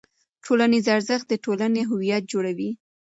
ټولنیز ارزښت د ټولنې هویت جوړوي.